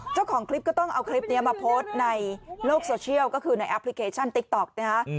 เจ้าของคลิปก็ต้องเอาคลิปนี้มาโพสต์ในโลกโซเชียลก็คือในแอปพลิเคชันติ๊กต๊อกนะฮะ